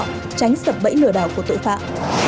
tránh sập bẫy lừa đảo của tội phạm